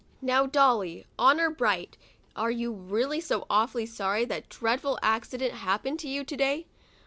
Now, Dolly, honor bright, are you really so awfully sorry that dreadful accident happened to you, to day?